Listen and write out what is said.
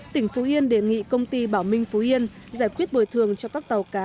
tỉnh phú yên đề nghị công ty bảo minh phú yên giải quyết bồi thường cho các tàu cá